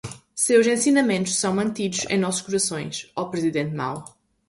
Seus ensinamentos são mantidos em nossos corações, ó Presidente Mao